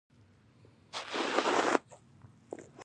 چې پۀ نتيجه کښې ئې جنسي قوت او کنټرول دواړه خراب شي